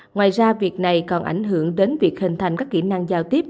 ngoài ra việc này còn ảnh hưởng đến việc hình thành các kỹ năng giao tiếp